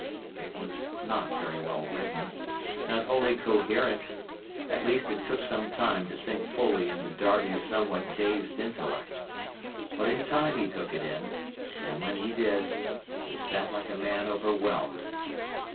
It was not very well written, nor wholly coherent; at least it took some time to sink fully into Darby's somewhat dazed intellect; but in time he took it in, and when he did he sat like a man overwhelmed.